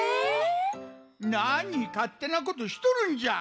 なにかってなことしとるんじゃ。